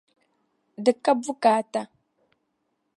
di ka bukaata.